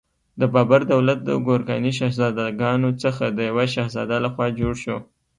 د بابر دولت د ګورکاني شهزادګانو څخه د یوه شهزاده لخوا جوړ شو.